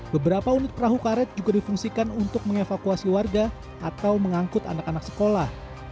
beberapa unit perahu karet juga difungsikan untuk mengevakuasi warga atau mengangkut anak anak sekolah